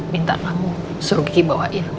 minta kamu sur rwk bawain